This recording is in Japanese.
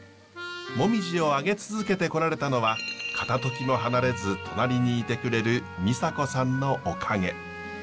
紅葉を揚げ続けてこられたのは片ときも離れず隣にいてくれる美沙子さんのおかげ。